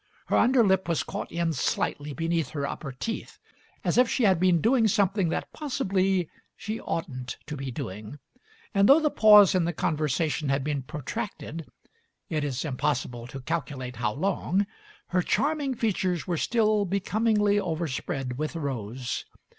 Her under lip was caught in slightly beneath her upper teeth, as if she had been doing something that possibly she oughtn't to be doing, and though the pause in the conversation had been protracted — it is impossible to calculate how long — her charming features were still becomingly overspread with rose.